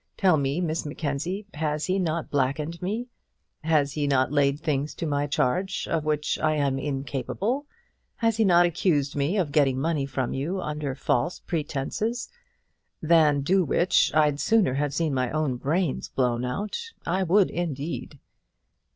Tell me, Miss Mackenzie, has he not blackened me? Has he not laid things to my charge of which I am incapable? Has he not accused me of getting money from you under false pretences, than do which, I'd sooner have seen my own brains blown out? I would, indeed."